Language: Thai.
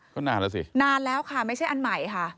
ก็นานแล้วสินานแล้วค่ะไม่ใช่อันใหม่ค่ะ